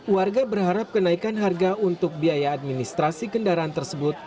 warga berharap kenaikan harga untuk biaya administrasi kendaraan tersebut